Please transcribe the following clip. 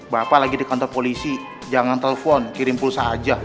bapak lagi di kantor polisi jangan telepon kirim pulsa aja